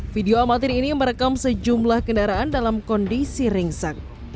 video amatir ini merekam sejumlah kendaraan dalam kondisi ringsang